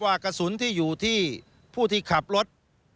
กระสุนที่อยู่ที่ผู้ที่ขับรถ